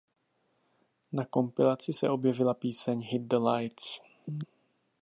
Na kompilaci se objevila píseň "Hit The Lights".